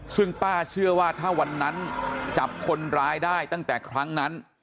ซึ่งป้าเชื่อว่าถ้าวันนั้นจับคนร้ายได้ตั้งแต่ครั้งนั้น